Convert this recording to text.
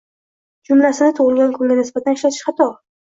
Jumlasini tugʻilgan kunga nisbatan ishlatish xato